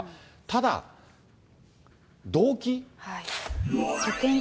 ただ、動機。